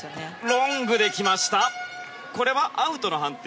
ロングで来ましたがアウトの判定。